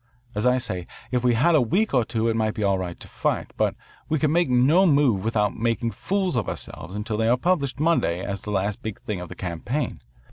As I say, if we had a week or two it might be all right to fight. But we can make no move without making fools of ourselves until they are published Monday as the last big thing of the campaign.